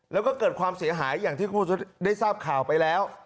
แล้วก็เกิดความเสียหายอย่างที่คุณได้ทราบข่าวไปแล้ว